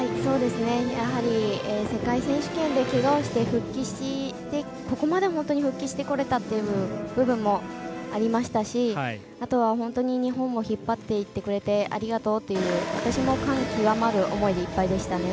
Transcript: やはり、世界選手権でけがをして復帰してここまで復帰してこれたという部分もありましたしあとは日本を引っ張っていってくれてありがとうという私も感極まる思いでいっぱいでしたね。